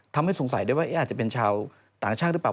ทำให้สงสัยได้ว่าอาจจะเป็นชาวต่างชาติหรือเปล่า